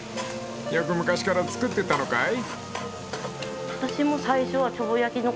［よく昔から作ってたのかい？］